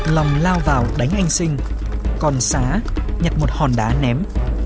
lòng lao vào đánh anh sinh còn xá nhặt một hòn đá ném